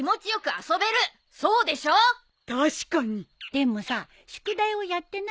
でもさ宿題をやってないのに遊ぶ。